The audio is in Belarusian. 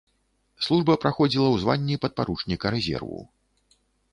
Служба праходзіла ў званні падпаручніка рэзерву.